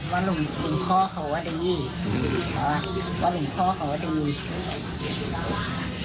ว่าหลวงหลวงพ่อเขาว่าดีอืมรู้หรือเปล่าว่าหลวงพ่อเขาว่าดี